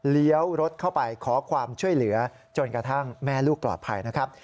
เลี้ยวรถเข้าไปขอความช่วยเหลือจนกระทั่งแม่ลูกปลอดภัยนะครับ